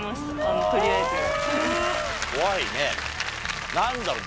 怖いね何だろう？